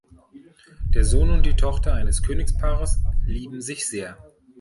Der Sohn und die Tochter eines Königspaares lieben sich sehr.